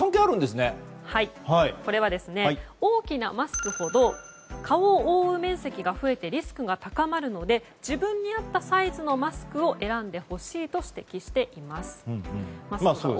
これは大きなマスクほど顔を覆う面積が増えてリスクが高まるので自分に合ったサイズのマスクを選んでほしいと指摘しています。